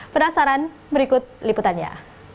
penasaran berikut liputannya